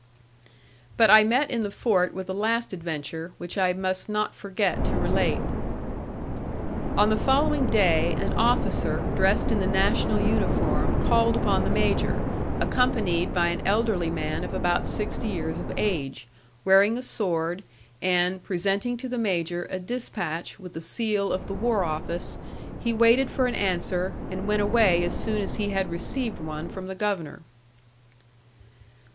But I met in the fort with a last adventure, which I must not forget to relate. On the following day, an officer dressed in the national uniform called upon the major, accompanied by an elderly man of about sixty years of age, wearing a sword, and, presenting to the major a dispatch with the seal of the war office, he waited for an answer, and went away as soon as he had received one from the governor.